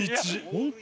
本当？